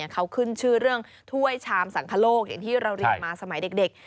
เขาขึ้นชื่อเรื่องถ้วยชามสังคโลกอย่างที่เราเรียนมาสมัยเด็ก